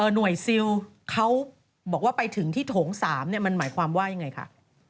หน่วยซิลเขาบอกว่าไปถึงที่โถง๓มันหมายความว่ายังไงคะ